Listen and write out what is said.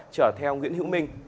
trở theo nguyễn hữu minh